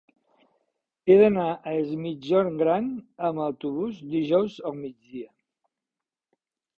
He d'anar a Es Migjorn Gran amb autobús dijous al migdia.